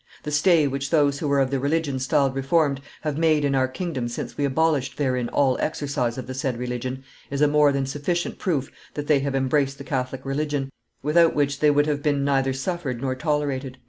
The stay which those who were of the religion styled Reformed have made in our kingdom since we abolished therein all exercise of the said religion is a more than sufficient proof that they have embraced the Catholic religion, without which they would have been neither suffered nor tolerated."